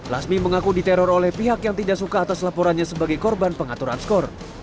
lasmi mengaku diteror oleh pihak yang tidak suka atas laporannya sebagai korban pengaturan skor